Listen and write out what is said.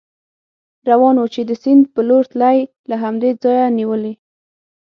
روان و، چې د سیند په لور تلی، له همدې ځایه نېولې.